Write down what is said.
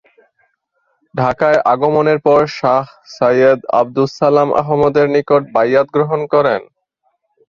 ঢাকায় আগমনের পর শাহ সাইয়েদ আবদুস সালাম আহমদের নিকট বাইয়াত গ্রহণ করেন।